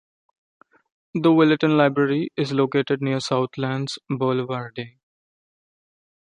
The Willetton Library is located near Southlands Boulevarde.